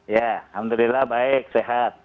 ya alhamdulillah baik sehat